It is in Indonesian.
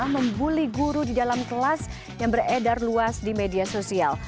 membuli guru di dalam kelas yang beredar luas di media sosial